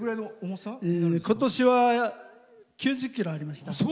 今年は、９０ｋｇありました。